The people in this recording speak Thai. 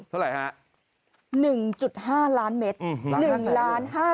เท่าไหร่ฮะ